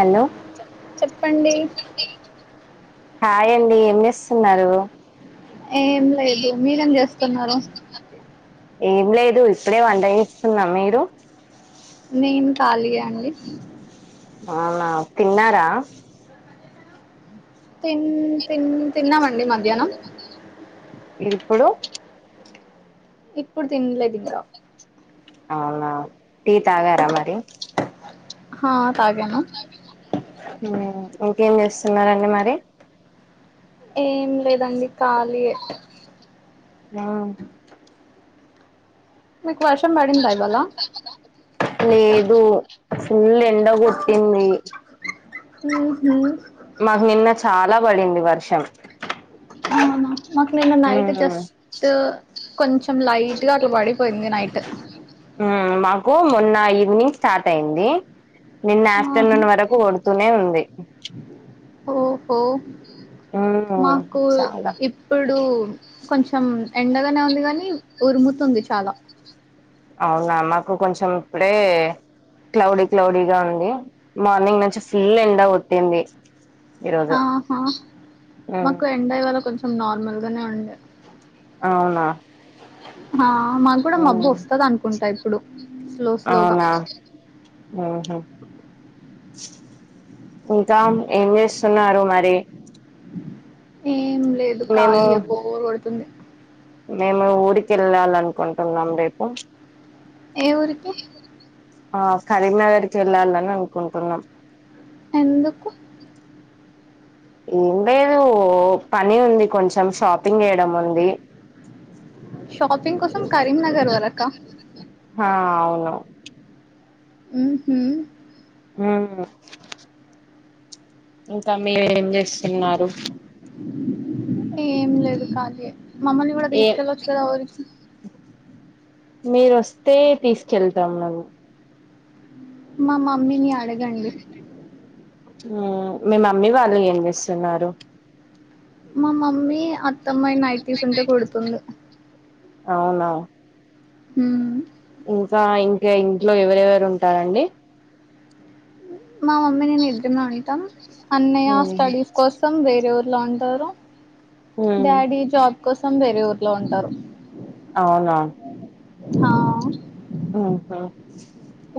Hello చెప్ చెప్పండి హాయండి ఏం చేస్తున్నారు ఏం లేదు మీరేం చేస్తున్నారు ఏం లేదు ఇప్పుడే వంట చెస్తున్నా మీరు నేను ఖాళీయే అండి అవునా తిన్నారా తిన్ తిన్ తిన్నామండి మధ్యానం ఇప్పుడు ఇప్పుడు తిన్లేదు ఇంకా అవునా టీ తాగార మరి హా తాగాను హు ఇంకేం చేస్తున్నారండి మరి ఏం లేదండి ఖాళీయే ఆ మీకు వర్షం పడిందా ఇవాళ లేదు ఫుల్ ఎండ కొట్టింది ఉహు మాకు నిన్న చాలా పడింది వర్షం అవునా మాకు నిన్న నైట్ మ్మ్ జస్ట్ కొంచెం లైట్ గా, అట్లా పడిపోయింది నైట్. మాకు మొన్న ఈవినింగ్ స్టార్ట్ అయింది నిన్న ఆహా ఆఫ్టర్నూన్ వరకు కోడు. తూనే ఉంది ఓహో మ్మ్ మాకు చాలా ఇప్పుడు కొంచెం ఎండగానే ఉంది కాని ఉరుముతుంది చాలా. అవునా మాకు కొంచెం ఇప్పుడే క్లౌడీ క్లౌడీ గా ఉంది మార్నింగ్ నుంచి ఫుల్ ఎండ కొట్టింది ఈరోజు ఆహా మ్మ్ మాకు ఎండ ఇవాళ కొంచెం నార్మల్గానే ఉండే అవునా మాకు కూడా మబ్బు ఉమ్ వస్తది అనుకుంటా ఇప్పుడు స్లో స్లోగా ఆహా ఇంకా ఏం చేస్తున్నారు మరి ఏం లేదు మేము ఖాళీయే బోరు కొడుతుంది మేము ఊరికెళ్ళాలనుకుంటున్నాం రేపు ఏ ఊరికి ఆ కరీంనగర్ కి వెళ్ళాలని అనుకుంటున్నాం ఎందుకు ఏం లేదు పని ఉంది కొంచెం షాపింగ్ చేయడం ఉంది షాపింగ్ కోసం కరీంనగర్ వరక ఆ అవును మ్మ్ హ్మ్ మ్మ్ ఇంకా మీరు ఏం చేస్తున్నారు ఏం లేదు కానీ మమ్మల్ని కూడా ఏ తీసుకెళ్ళొచ్చు కదా ఊరికి మీరొస్తే తీసుకెళ్తాం మిమ్మల్ని మా మమ్మీని అడగండి మీ మమ్మీ వాళ్ళు ఏం చేస్తున్నారు మా మమ్మీ అత్తమ్మవి నైటీస్ ఉంటే కుడుతుంది అవునా హ్మ్ ఇంకా ఇంకా ఇంట్లో ఎవరెవరు ఉంటారండి మా మమ్మీ నేను ఇద్దరమే ఉంటాము అన్నయ్య స్టడీస్ మ్మ్ కోసం వేరే ఊర్లో ఉంటారు డాడీ జాబ్ కోసం వేరే ఊర్లో ఉంటారు అవునా ఆ ఆహా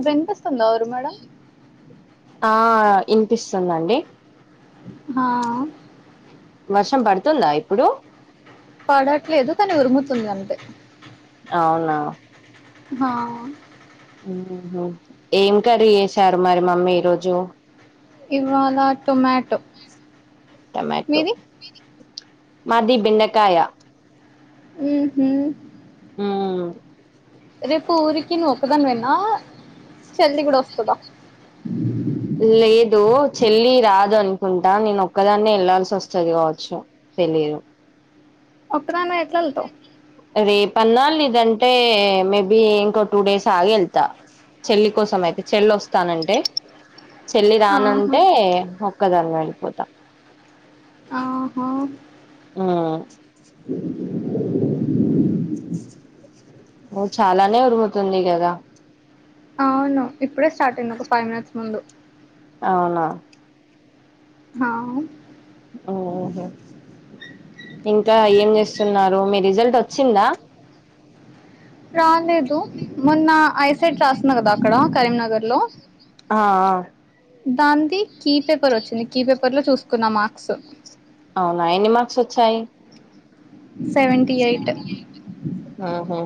వినిపిస్తుందా అరు మేడం ఆ ఇనిపిస్తుందండి ఆ వర్షం పడుతుందా ఇప్పుడు పడట్లేదు కానీ ఉరుముతుంది అంతే అవునా ఆ ఏం కరి చేేశారు మరి మమ్మీ ఈరోజు ఇవాళ టొమాటో టొమాటో మీది మాది బిండకాయ మ్మ్ హ్మ్ మ్మ్ రేపు ఊరికి నువ్వు ఒకదానివేనా చెల్లి కూడా వస్తదా లేదు చెల్లి రాదు అనుకుంటా నేను ఒక్కదాన్నే వెళ్లాల్సి వస్తది కావచ్చు తెలియ దు ఒక్కదానివే ఎట్లెల్తావు రేపు అన్నా లేదంటే మేబి ఇంకో టూ డేస్ ఆగి వెళ్తా చెల్లి కోసం అయితే చెల్లి వస్తానంటే చెల్లి ఆహా రానుంటే ఒక్కదాన్ని వెళ్ళిపోతా ఆహ ఉం ఓ చాలానే ఉరుముతుంది కదా అవును ఇప్పుడే స్టార్ట్ అయింది ఒక ఫైవ్ మినిట్స్ ముందు అవునా హా ఓహో ఇంకా ఏం చేస్తున్నారు మీ రిజల్ట్ వచ్చిందా రాలేదు మొన్న ఐసెట్ రాస్తున్నా కదా అక్కడ కరీంనగర్ లో ఆ ఆ దానిది కీ పేపర్ వచ్చింది కీ పేపర్ లో చూసుకున్న మార్క్స్ అవునా ఎన్ని మార్క్స్ వచ్చాయి సెవెంటీ ఎయిట్ ఆహా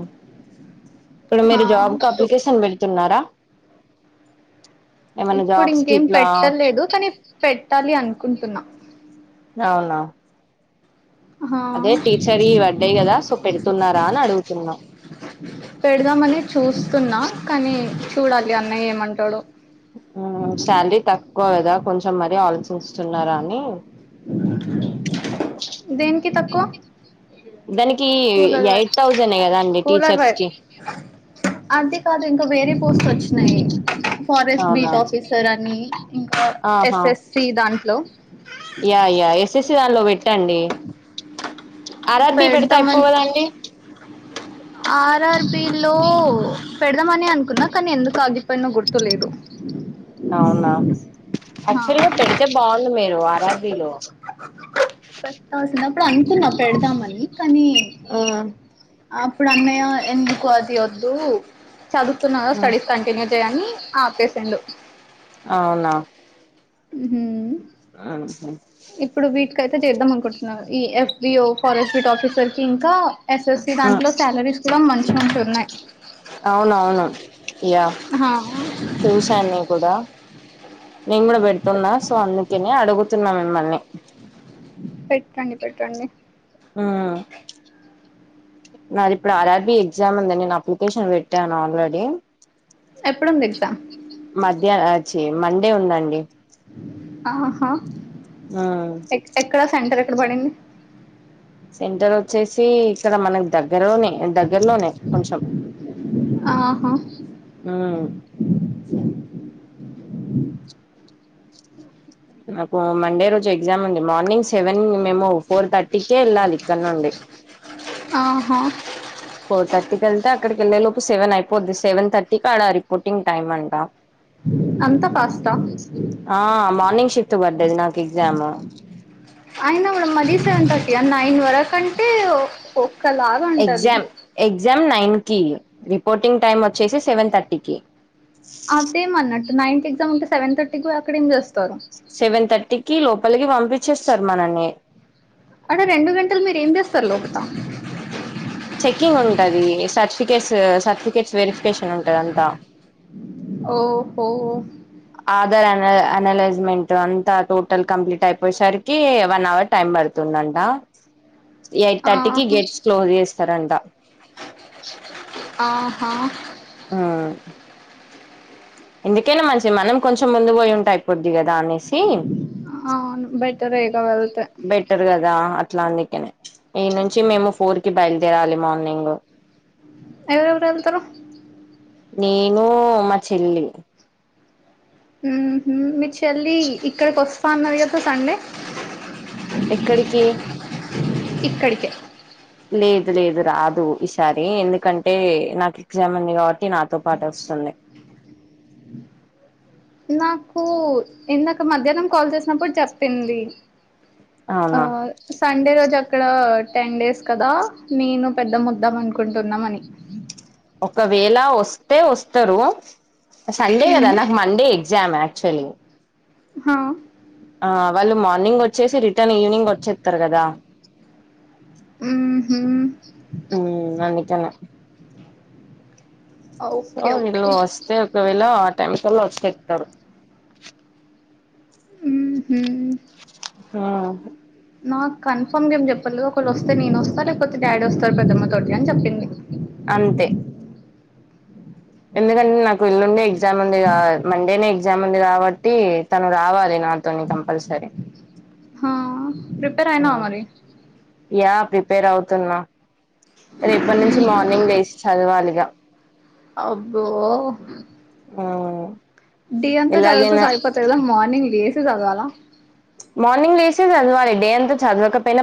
ఇప్పుడు హా మీరు జాబ్ కు టూ అప్లికేషన్ పెడుతున్నారా ఏమైనా ఇప్పుడు జాబ్స్ కి ఇంకేం ఇట్లా పెట్టలేదు కానీ పెట్టాలి అనుకుంటున్నా అవునా హా అదే టీచర్ ఈ పడ్డయి కదా సో పెడుతున్నారా అని అడుగుతున్నా పెడదామని చూస్తున్నా కానీ చూడాలి అన్నయ్య ఏమంటాడో ఆ శాలరీ తక్కువ కదా కొంచం మరి ఆలోచిస్తున్నారా అని దేనికి తక్కువ దానికి కూలర్ వైర్ ఎయిట్ థౌజండ్ ఆ కదా అండి కూలర్ టీచర్స్ వైర్ కి అంతే కాదు ఇంకా వేరే పోస్ట్ లు వచ్చినాయి ఫారెస్ట్ అవునా బీట్ ఆఫీసర్ అని ఇంకా ఆహా ఎస్ఎస్సి దాంట్లో యా ఎస్ఎస్సి దానిలో పెట్టండి అరబ్బీ పెడితే అయిపోవు కదండీ అ ఆర్ఆర్బిలో పెడదామని అనుకున్నా కానీ ఎందుకు ఆగిపోయినో గుర్తులేదు అవునా ఆ యాక్చువల్ గా పెడితే బాగుండు మీరు ఆర్ ఆర్ బీలో పెట్టాల్సినప్పుడు అనుకున్నా పెడదామని కానీ ఆ అప్పుడు అన్నయ ఎందుకు అది వద్దు చదువుతున్నవ్ కా ఉమ్, స్టడీస్ కంటిన్యూ చేయ్యని ఆపేసిండు అవునా ఉహు [unintelligible] ఇప్పుడు వీటికయితే చేద్దాం అనుకుంటున్నాను ఈ ఎఫ్బిఓ ఫారెస్ట్ బీట్ ఆఫీసర్ కి ఇంకా ఎస్ఎస్సి ఉమ్, దాంట్లో సాలరీస్ కూడా మంచి మంచి ఉన్నాయి అవునవును ఇగ ఆ చూసాను నీ కూడా నేను కూడా పెడుతున్నా సో అందుకేనే అడుగుతున్నా మిమ్మల్ని పెట్టండి పెట్టండి ఆ నాది ఇప్పుడు ఆర్ఆర్బి ఎగ్జామ్ ఉంది నేను అప్లికేషన్ పెట్టాను ఆల్రెడీ ఎప్పుడుందితా మధ్యాహ్న హాచి మండే ఉందండి ఆహా ఉమ్ ఎ ఎక్కడ సెంటర్ ఎక్కడ పడింది సెంటర్ వచ్చేసి ఇక్కడ మనక్ పల్లి దగ్గరలోనే దగ్గరలోనే కొంచెం ఆహా ఉమ్ నాకు మండే రోజు ఎగ్జామ్ ఉంది మార్నింగ్ సెవెన్ మేము ఫోర్ థర్టీకే వెళ్ళాలి ఇక్కడ నుండి హ ఫోర్ థర్టీకి వెళ్తే అక్కడికి వెళ్ళే లోపు సెవెన్ అయిపోద్ది సెవెన్ థర్టీకి అడ రిపోర్టింగ్ టైమ్ అంట అంత ఫాస్ ఆ మార్నింగ్ షిఫ్ట్ పడ్డది నాకు ఎగ్జామ్ అయినా కూడా మరీ సెవెన్ థర్టీ అ నైన్ వరకు అంటే ఒక్కలాగా ఉంటది ఎగ్జామ్ ఎగ్జామ్ నైన్ కి రిపోర్టింగ్ టైమ్ వచ్చేసి సెవెన్ థర్టీకి అదేమ అన్నట్టు నైన్త్ ఎగ్జామ్ ఉంటే సెవెన్ థర్టీ కు అక్కడేం చేస్తారు సెవెన్ థర్టీకి లోపలికి పంపించేస్తారు మనల్ని అంటే రెండు గంటలు మీరు ఏం చేస్తారు లోపట చెకింగ్ ఉంటది సర్టిఫికేట్స్ సర్టిఫికేట్స్ వెరిఫికేషన్ ఉంటది అంటా ఓహో ఆధార్ ఆన్ అనలైజ్మెంట్ అంతా టోటల్ కంప్లీట్ అయిపోయేసరికి వన్ అవర్ టైం పడుతుందంట ఎయిట్ థర్టీకి ఆహా గేట్స్ క్లోజ్ చేస్తారంట ఆహా ఉమ్ ఎందుకైనా మంచిది మనం కొంచెం ముందు పోయి ఉంటే అయ్యిపోది కదా అనేసి అవును బెటరే ఇగ వెళ్తే బెటర్ కదా అట్లా అందుకనే ఈ నుంచి మేము ఫోర్ కి బయలుదేరాలి మార్నింగ్ ఎవరెవరు వెళ్తారు నేను మా చెల్లి మీ చెల్లి ఇక్కడికి వస్తాన్నది కదా సండే ఎక్కడికి ఇక్కడికే లేదు లేదు రాదు ఈసారి ఎందుకంటే నాకు ఎగ్జామ్ ఉంది కాబట్టి టి నాతో పాటు వస్తుంది నాకు ఇందాక మధ్యాహ్నం కాల్ చేసినప్పుడు చెప్పింది ఆ అవునా సండే రోజు అక్కడ టెన్ డేస్ కదా నేను పెద్దమ్మ వద్దాం అనుకుంటున్నాం అన్ని ఒకవేళ వస్తే వస్తారు సండే కదా మ్మ్ నాకు మండే ఎగ జామ్ ఆక్చువలీ హ ఆ వాళ్ళు మార్నింగ్ వచ్చేసి రిటర్న్ ఈవనింగ్ వచ్చేస్తారు కదా మ్మ్ హు ఉమ్ అందుకనే సో ఓకే వీళ్ళు ఓకే వస్తే ఒకవేళ ఆ టైం కలా వచ్చేతారు ఉహు ఆ నాకు కన్ఫర్మ్ ఏం చెప్పలేదు ఒక్కవేళ వస్తే నేను వస్తా లేకపోతే డాడీ వస్తారు పెద్దమ్మ తోటి అని చెప్పింది అంతే ఎందుకంటే నాకు యెలుండే ఎగ్జామ్ ఉంది మండేనే ఎగ్జామ్ ఉంది కాబట్టి తను రావాలి నా నాతోని కంపల్సరీ ఆ ప్రిపేర్ అయినావా మరి యా ప్రిపేర్ అవుతున్నా రేపటి నుంచి మార్నింగ్ లేసి చదవాలిగా అబ్బో ఆ డే అంతా చదువుతే ఎలాగైనా సరిపోతది కదా మర్నింగ్ లేసి చదవాలా మార్నింగ్ లేసి చదవాలి డే అంత చదువకపోయినా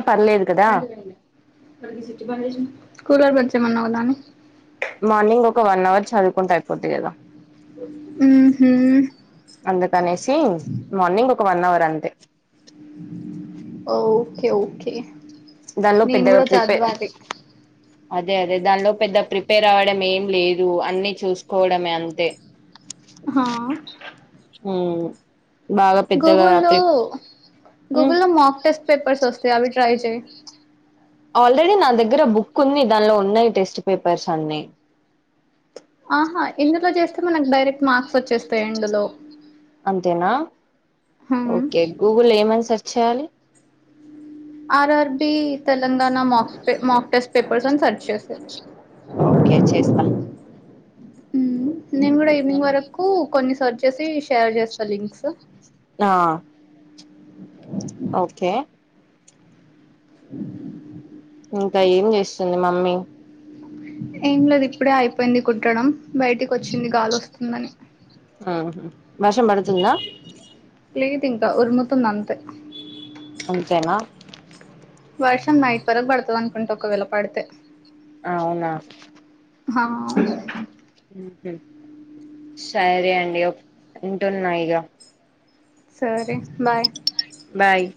కూలర్ బంజేయ్మన్నవ్ కదాని మార్నింగ్ ఒక వన్ అవర్ చదువుకుంటే అయిపోతది కదా మ్మ్ హు అందుకనేసి మార్నింగ్ ఒక వన్ అవర్ అంతే ఓకే ఓకే దానిలో నేను పెద్దగా కూడా ప్రీపే చదవాలి అదే అదే దానిలో పెద్ద ప్రిపేర్ అవ్వడం ఏం లేదు అన్ని చూసుకోవడమే అంతే హ ఉమ్ బాగా పెద్దగా గూగుల్లో ఉమ్ గూగుల్లో లో మాక్ టెస్ట్ పేపర్స్ వస్తాయి అవి ట్రై చెయి ఆల్రెడీ నా దగ్గర బుక్ ఉంది దానిలో ఉన్నాయి టెస్ట్ పేపర్స్ అన్ని ఆహా ఇందులో చేస్తే మనకు డైరెక్ట్ మార్క్స్ వచ్చేస్తాయి ఎండ్ లో అంతేనా ఓకే గూగుల్లో ఏమని సెర్చ్ చేయాలి RRB Telangana mock mock test papers అని సెర్చ్ చేసేది ఓకే చేస్తా నేను కూడా ఈవినింగ్ వరకు కొన్ని సర్ వచ్చేసి షేర్ చేస్తా లింక్స్ ఆ ఓకే ఇంకా ఏం చేస్తుంది మమ్మీ ఏం లేదు ఇప్పుడే అయిపోయింది కుట్టడం బయటికి వచ్చింది గాలి వస్తుందని ఆ వర్షం పడుతుందా లేదు ఇంకా ఉరుముతుంది అంతే అంతేనా వర్షం నైట్ వరకు పడుతది అనుకుంట ఒకవేళ పడితే అవునా హ సరే అండి ఉంటున్నా ఇక సరే బాయ్ బాయ్